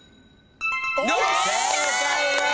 正解です！